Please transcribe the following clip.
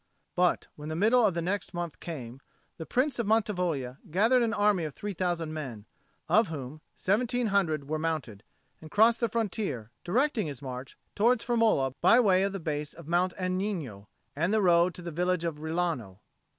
But when the middle of the next month came, the Prince of Mantivoglia gathered an army of three thousand men, of whom seventeen hundred were mounted, and crossed the frontier, directing his march towards Firmola by way of the base of Mount Agnino and the road to the village of Rilano.